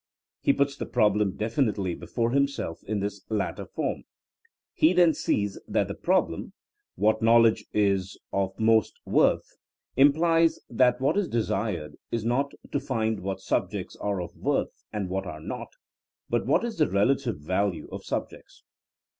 He puts the problem definitely before himself in this latter form. He then sees that the problem — ^what knowledge is of most worth?, implies that what THINKINO A8 A 80IEN0E 13 is desired is not to find what subjects are of worth and what are not, but what is the rela tive value of subjects.